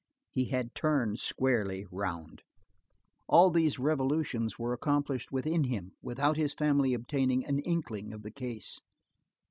He had turned squarely round. All these revolutions were accomplished within him, without his family obtaining an inkling of the case.